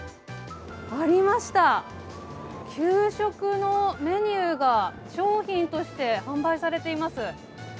ありました、給食のメニューが商品として販売されています。